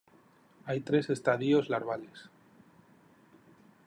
Hay tres estadios larvales.